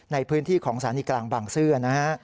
ในพื้นที่ของสถานีกลางบางซื่อนะฮะ